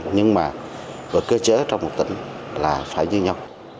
nhưng mà cơ chế trong một tỉnh là phải như nhau